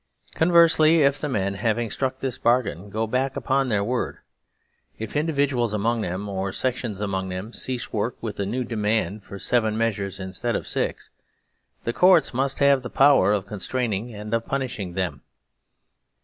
Conversely, if the men, having struck this bargain, go back upon their word ; if individuals among them or sections among them cease work with a newdemand for seven measures instead of six, the Courts must have the power of constrainingandof punishing them.